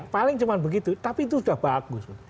paling cuma begitu tapi itu sudah bagus